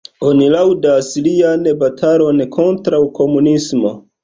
Oni laŭdas lian batalon kontraŭ komunismo.